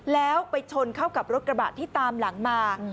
แล้วไปชนเข้ากับรถกระบะที่ตามหลังมา